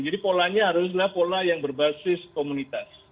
jadi polanya haruslah pola yang berbasis komunitas